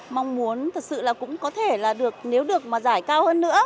mong muốn thật sự là cũng có thể là được nếu được mà giải cao hơn nữa